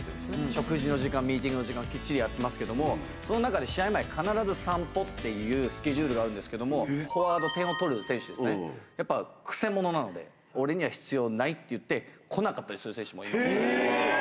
食事の時間、ミーティングの時間、きっちりやってますけれども、その中で試合前、必ず散歩っていうスケジュールがあるんですけれども、フォワード、点を取る選手ですね、やっぱくせ者なので、俺には必要ないっていって、来なかったりする選手もいるんですね。